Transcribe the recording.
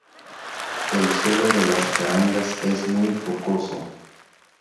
El suelo de Las Carangas es muy rocoso.